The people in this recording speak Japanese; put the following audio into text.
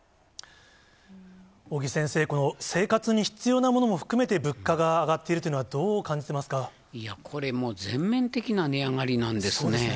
尾木先生、この生活に必要なものも含めて物価が上がっているというのは、これ、もう全面的な値上がりなんですね。